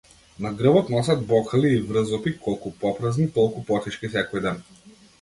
На грбот носат бокали и врзопи, колку попразни толку потешки секој ден.